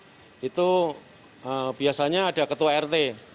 jadi itu biasanya ada ketua rt